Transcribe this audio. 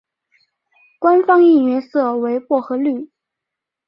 官方应援色为薄荷绿。